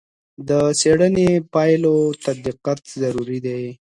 د څېړنې پایلو ته دقت ضروری دی.